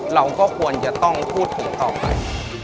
เราก็ควรจะต้องพูดถึงต่อไป